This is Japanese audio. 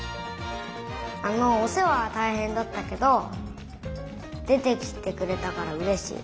あのおせわはたいへんだったけどでてきてくれたからうれしい。